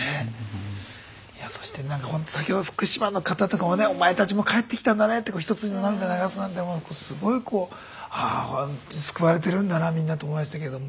そして先ほど福島の方とかもねお前たちも帰ってきたんだねって一筋の涙を流すなんてすごいこうああほんとに救われてるんだなみんなと思いましたけども。